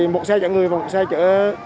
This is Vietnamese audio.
một xe chở người và một xe chở